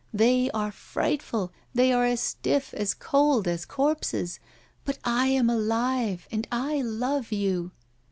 They are frightful, they are as stiff, as cold as corpses. But I am alive, and I love you!